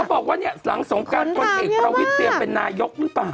บอกว่าเนี่ยหลังสงการพลเอกประวิทย์เตรียมเป็นนายกหรือเปล่า